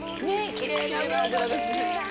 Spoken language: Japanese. きれいな油ですね